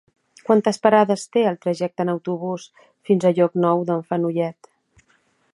Quantes parades té el trajecte en autobús fins a Llocnou d'en Fenollet?